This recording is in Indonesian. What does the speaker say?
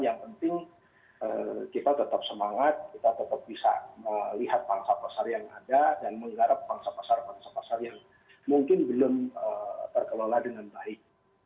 yang penting kita tetap semangat kita tetap bisa melihat pangsa pasar yang ada dan menggarap pangsa pasar pangsa pasar yang mungkin belum terkelola dengan baik